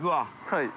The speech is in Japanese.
はい。